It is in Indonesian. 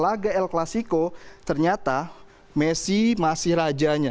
laga el klasiko ternyata messi masih rajanya